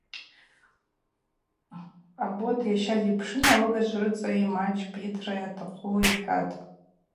Къамбот йаща дипшын: Алыгажв рыцӏа ймачӏпӏ йытра атахъу, – йхӏватӏ.